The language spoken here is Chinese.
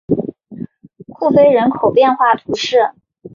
库菲人口变化图示